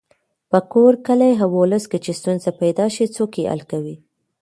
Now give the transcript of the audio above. په کور، کلي او ولس کې چې ستونزه پیدا شي څوک یې حل کوي.